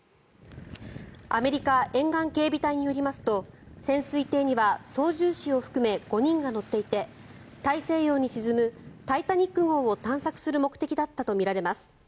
アメリカ沿岸警備隊によりますと潜水艇には操縦士を含め５人が乗っていて大西洋に沈む「タイタニック号」を探索する目的だったとみられます。